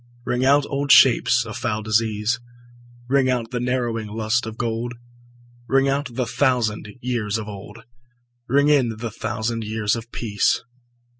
Ring out old shapes of foul disease, Ring out the narrowing lust of gold; Ring out the thousand wars of old, Ring in the thousand years of peace.